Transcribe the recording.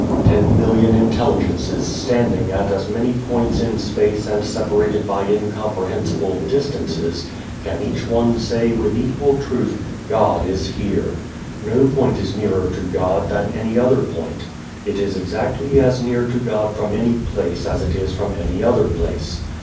Ten million intelligences standing at as many points in space and separated by incomprehensible distances can each one say with equal truth, God is here. No point is nearer to God than any other point. It is exactly as near to God from any place as it is from any other place.